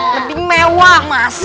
lebih mewah masa